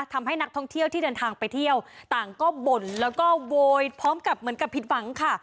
ทำให้นักท่องเที่ยวที่เดินทางไปเที่ยวต่างก็บ่นแล้วก็โวยพร้อมกับเหมือนกับผิดหวังค่ะ